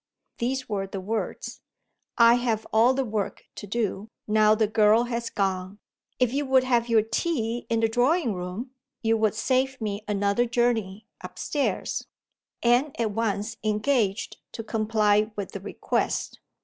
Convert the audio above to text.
These were the words: "I have all the work to do, now the girl has gone. If you would have your tea in the drawing room, you would save me another journey up stairs." Anne at once engaged to comply with the request.